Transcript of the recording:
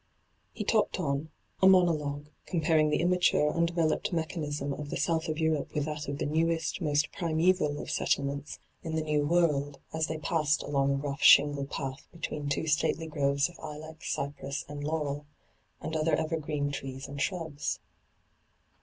He talked on — a monologue, comparing the immature, undeveloped mechanism of the South of Europe with that of the newest, most primeval of settlements in the New hyGoogIc 236 ENTRAPPED World — as tJiey passed along a roi^h shingle path between two stately groves of ilex, cypress, laurel, and other evergreen trees and shmbs.